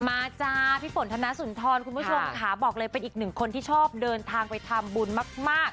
จ้าพี่ฝนธนสุนทรคุณผู้ชมค่ะบอกเลยเป็นอีกหนึ่งคนที่ชอบเดินทางไปทำบุญมาก